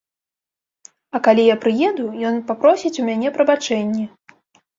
А калі я прыеду, ён папросіць у мяне прабачэнні!